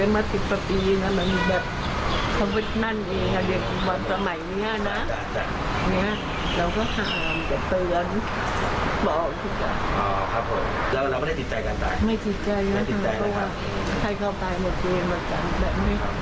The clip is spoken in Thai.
ไม่ติดใจว่าใครเขาตายอยู่ในภิมพ์แต่ไม่ติดใจ